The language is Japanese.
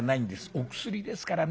お薬ですからね。